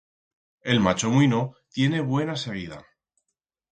El macho muino tiene buena seguida.